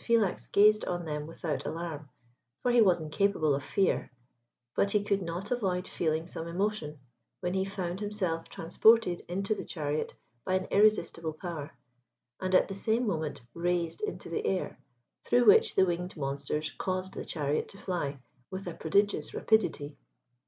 Philax gazed on them without alarm, for he was incapable of fear, but he could not avoid feeling some emotion when he found himself transported into the chariot by an irresistible power, and at the same moment raised into the air, through which the winged monsters caused the chariot to fly with a prodigious rapidity.